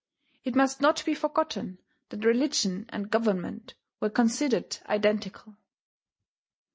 It must not be forgotten that religion and government were considered identical.